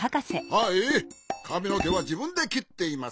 はいかみのけはじぶんできっています。